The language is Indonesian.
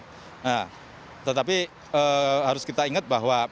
nah tetapi harus kita ingat bahwa